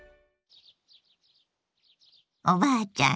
おばあちゃん